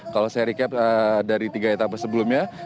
kalau saya recap dari tiga etapa sebelumnya